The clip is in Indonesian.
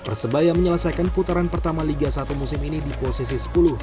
persebaya menyelesaikan putaran pertama liga satu musim ini di posisi sepuluh